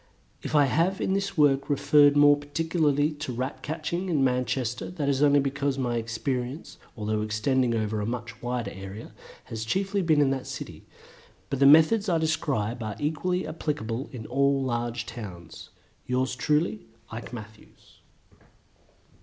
If I have in this work referred more particularly to Rat catching in Manchester that is only because my experience, although extending over a much wider area, has been chiefly in that city, but the methods I describe are equally applicable to all large towns. Yours truly, IKE MATTHEWS.